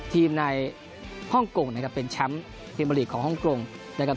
ทีมในฮ่องกงนะครับเป็นแชมป์ทีมมาลีกของฮ่องกงนะครับ